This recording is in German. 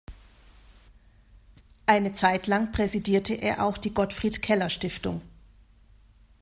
Eine Zeitlang präsidierte er auch die Gottfried Keller-Stiftung.